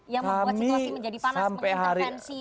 yang membuat situasi menjadi panas mengintervensi